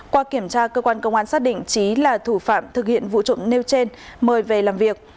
qua kiểm tra cơ quan công an xác định trí là thủ phạm thực hiện vụ trộm nêu trên mời về làm việc